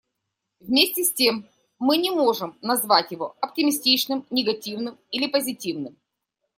Вместе с тем, мы не можем назвать его оптимистичным, негативным или позитивным.